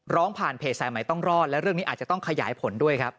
ร้องผ่านเพจสายใหม่ต้องรอดและเรื่องนี้อาจจะต้องขยายผลด้วยครับ